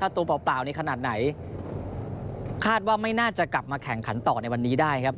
ถ้าตัวเปล่านี่ขนาดไหนคาดว่าไม่น่าจะกลับมาแข่งขันต่อในวันนี้ได้ครับ